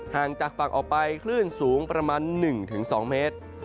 ห่างจากฝั่งออกไปคลื่นสูงประมาณ๑๒เมตร